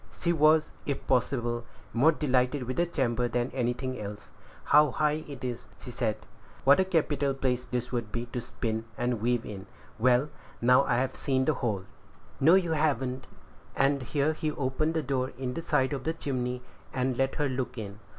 She was, if possible, more delighted with the chamber than anything else. "How high it is!" she said; "what a capital place this would be to spin and weave in! Well, now I've seen the whole." "No, you haven't;" and here he opened the door in the side of the chimney, and let her look in.